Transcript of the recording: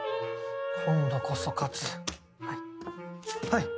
今度こそ勝つはいはい。